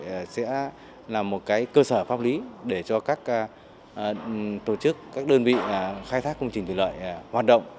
cái giá sản phẩm dịch vụ thủy lợi sẽ là một cái cơ sở pháp lý để cho các tổ chức các đơn vị khai thác công trình thủy lợi hoạt động